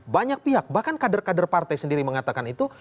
banyak pihak bahkan kader kader partai sendiri mengatakan itu